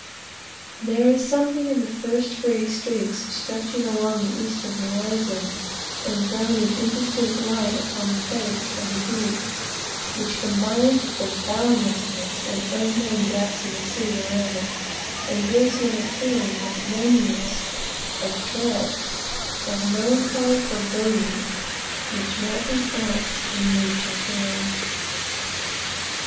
There is something in the first grey streaks stretching along the eastern horizon and throwing an indistinct light upon the face of the deep, which combines with the boundlessness and unknown depth of the sea around you, and gives one a feeling of loneliness, of dread, and of melancholy foreboding, which nothing else in nature can give.